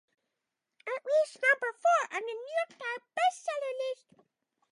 It reached number four on the "New York Times" Best Seller list.